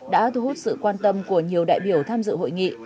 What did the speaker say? đã thu hút sự quan tâm của nhiều đại biểu tham dự hội nghị